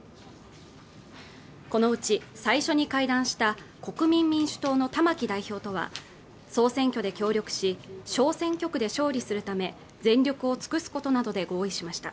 このうち最初に会談した国民民主党の玉木代表とは総選挙で協力し小選挙区で勝利するため全力を尽くすことなどで合意しました